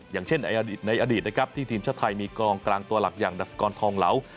อย่างเช่นในอดีตนะครับที่ทีมชาติไทยมีกองกลางตัวหลักอย่างดัชกรทองเหลา